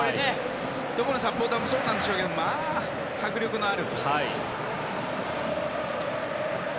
どこのサポーターもこれはそうなんでしょうけどまあ迫力のある。